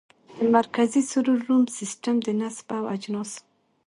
د مرکزي سرور روم سیسټم د نصب او اجناسو